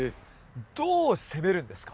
どう攻めるんですか？